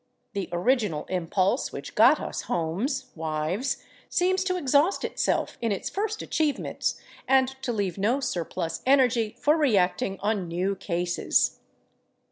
The original impulse which got us homes, wives, ... seems to exhaust itself in its first achievements and to leave no surplus energy for reacting on new cases."